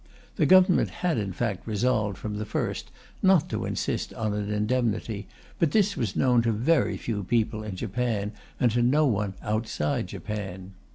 The Government had in fact resolved, from the first, not to insist on an indemnity, but this was known to very few people in Japan, and to no one outside Japan.